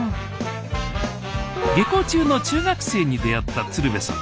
下校中の中学生に出会った鶴瓶さん。